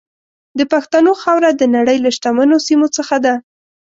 د پښتنو خاوره د نړۍ له شتمنو سیمو څخه ده.